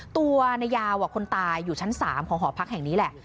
ตัวนายยาวคนตายอยู่ชั้น๓ของหอพักแห่งนี้แหละ